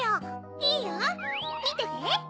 いいよみてて！